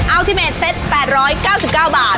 อัลทิเมตเซต๘๙๙บาท